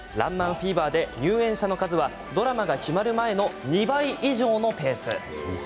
フィーバーで入園者の数はドラマが決まる前の２倍以上のペース。